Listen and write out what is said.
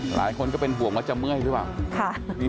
หลายคนก็เป็นห่วงว่าจะเมื่อยหรือเปล่า